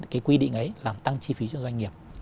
cái quy định ấy làm tăng chi phí cho doanh nghiệp